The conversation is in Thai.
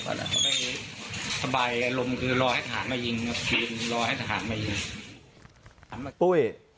โอ้โห้ย